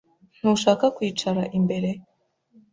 Ntushaka kwicara imbere, ?